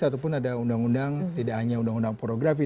ataupun ada undang undang tidak hanya undang undang pornografi